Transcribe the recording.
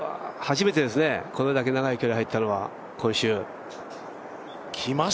初めてですね、これだけ長い距離が入ったのは、今週。